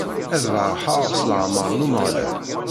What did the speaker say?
Ad berrḥeɣ s lameṛ n Umeɣlal.